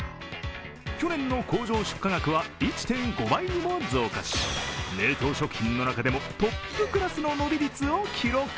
去年の工場出荷額は１．５倍にも増加し冷凍食品の中でもトップクラスの伸び率を記録。